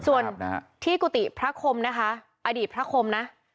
ส่วนที่กุฏิพระคมนะคะอดีตพระคมนะ